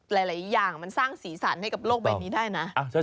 หลายอย่างมันสร้างสีสันให้กับโลกใบนี้ได้นะ